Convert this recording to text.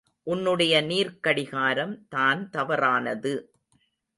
உன்னுடைய நீர்க் கடிகாரம் தான் தவறானது.